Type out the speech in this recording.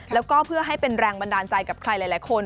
แล้วก็เพื่อให้เป็นแรงบันดาลใจกับใครหลายคน